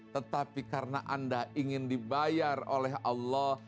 tetapi karena anda ingin dibayar oleh allah